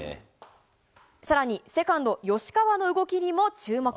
さらにセカンド、吉川の動きにも注目。